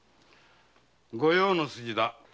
御用の筋だ。